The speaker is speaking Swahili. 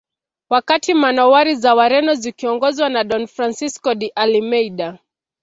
Wakati manowari za Wareno zikiongozwa na Don Francisco de Almeida